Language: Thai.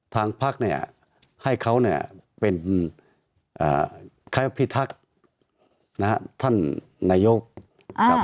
ทางพักเนี่ยให้เขาเนี่ยเป็นคล้ายพิทักษ์นะฮะท่านนายกครับ